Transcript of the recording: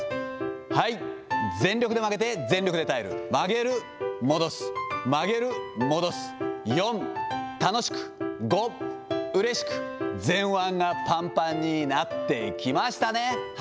はい、全力で曲げて、全力で耐える、曲げる、戻す、曲げる、戻す、４、楽しく、５、うれしく、前腕がぱんぱんになってきましたね。